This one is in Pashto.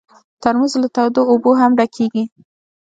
ترموز له تودو اوبو هم ډکېږي.